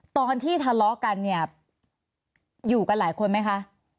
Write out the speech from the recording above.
ตอนที่ทะเลาะกันเนี่ยอยู่กันหลายคนไหมคะ